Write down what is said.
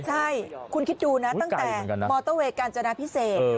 ใช่คุณคิดดูนะตั้งแต่มอเตอร์เวย์กาญจนาพิเศษ